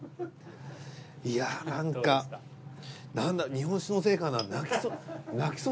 いやなんか日本酒のせいかな泣きそう。